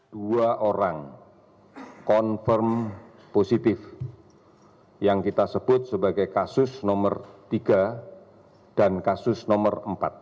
dua orang confirm positif yang kita sebut sebagai kasus nomor tiga dan kasus nomor empat